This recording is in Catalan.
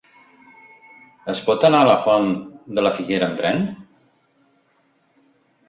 Es pot anar a la Font de la Figuera amb tren?